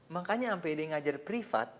makanya ampede ngajar privat